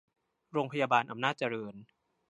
โรงพยาบาลอำนาจเจริญ